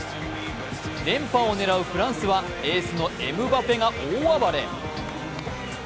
連覇を狙うフランスはエースのエムバペが大暴れ。